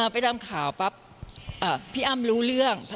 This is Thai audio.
ไปทำข่าวปั๊บพี่อ้ำรู้เรื่อง